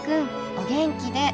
お元気で。